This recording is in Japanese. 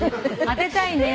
当てたいね。